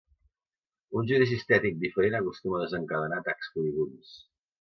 Un judici estètic diferent acostuma a desencadenar atacs furibunds.